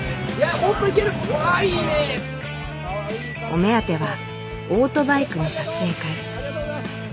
お目当てはオートバイクの撮影会。